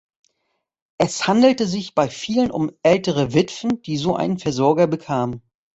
Es handelte sich bei vielen um ältere Witwen, die so einen Versorger bekamen.